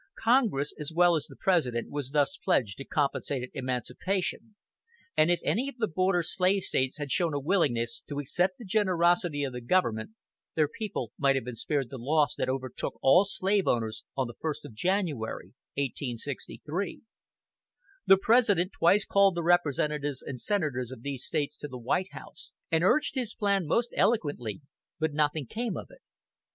Congress as well as the President was thus pledged to compensated emancipation, and if any of the border slave States had shown a willingness to accept the generosity of the government, their people might have been spared the loss that overtook all slave owners on the first of January, 1863. The President twice called the representatives and senators of these States to the White House, and urged his plan most eloquently, but nothing came of it.